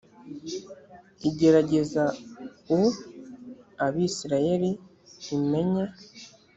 igerageze u abisirayeli imenye